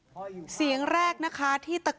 พ่ออยู่ข้างหน้าไหน